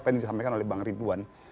apa yang disampaikan oleh bang ridwan